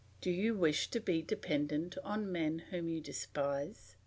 Do you wish to be dependent on men whom you despise?